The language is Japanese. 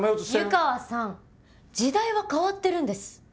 湯川さん時代は変わってるんです。